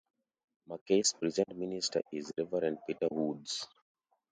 MacKay's present minister is Reverend Peter Woods.